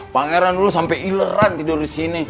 pangeran dulu sampai ileran tidur di sini